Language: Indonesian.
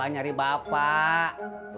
bapak nyari bapak